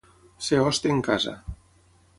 Ser hoste en casa.